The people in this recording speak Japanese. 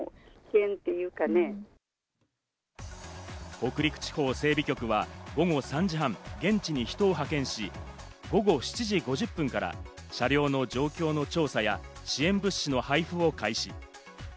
北陸地方整備局は午後３時半、現地に人を派遣し、午後７時５０分から車両の状況の調査や、支援物資の配布を開始。